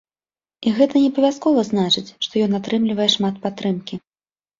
І гэта не абавязкова значыць, што ён атрымлівае шмат падтрымкі.